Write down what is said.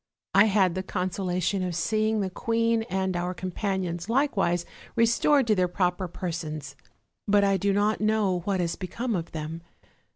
I had the conso lation of seeing the queen and our companions likewise restored to their proper persons; but I do not know what has become of them.